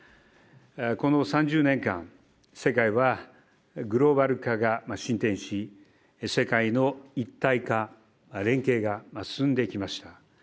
この３０年間、世界はグローバル化が進展し、世界の一体化、連携が進んできました。